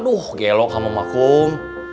aduh gelo kamu ma kom